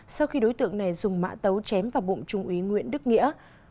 sau khi đối tượng này dùng mã tấu chém vào bụng trung úy nguyễn đức nghĩa